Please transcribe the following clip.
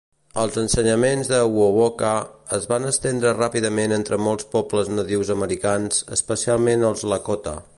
Els ensenyaments de Wovoka es van estendre ràpidament entre molts pobles nadius americans, especialment els Lakota.